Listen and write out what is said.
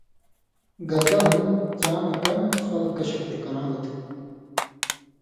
(گتہ ہُم) څاں مہ کم خلکہ شُکُھر کران٘لہ تھہ۔